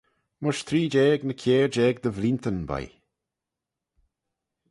Mysh three-jeig ny kiare-jeig dy vleeantyn, boy.